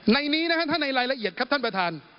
ในนี้นะฮะถ้าในรายละเอียดครับท่านประธาน